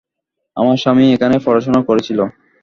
আমার স্বামী এখানে পড়াশোনা করেছিল।